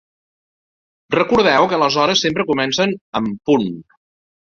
Recordeu que les hores sempre comencen en punt.